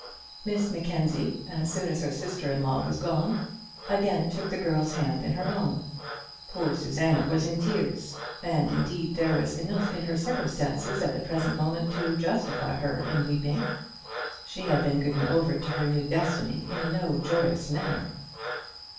Miss Mackenzie, as soon as her sister in law was gone, again took the girl's hand in her own. Poor Susanna was in tears, and indeed there was enough in her circumstances at the present moment to justify her in weeping. She had been given over to her new destiny in no joyous manner.